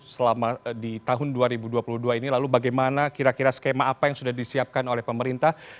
selama di tahun dua ribu dua puluh dua ini lalu bagaimana kira kira skema apa yang sudah disiapkan oleh pemerintah